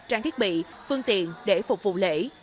trang thiết bị phương tiện để phục vụ lễ